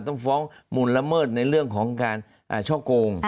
ต้องฟ้องหมุนละเมิดในเรื่องของการช่อโกง